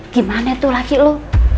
gimana tuh lagi lu